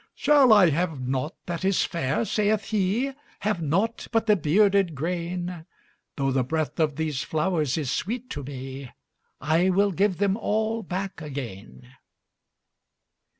``Shall I have nought that is fair?'' saith he; ``Have nought but the bearded grain? Though the breath of these flowers is sweet to me, I will give them all back again.''